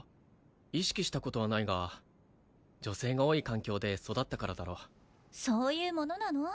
意識したことはないが女性が多い環境で育ったからだろうそういうものなの？